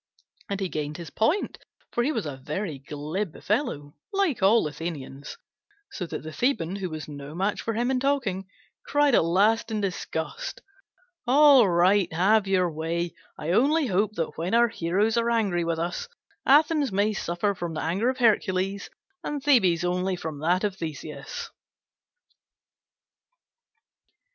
And he gained his point, for he was a very glib fellow, like all Athenians; so that the Theban, who was no match for him in talking, cried at last in some disgust, "All right, have your way; I only hope that, when our heroes are angry with us, Athens may suffer from the anger of Hercules, and Thebes only from that of Theseus."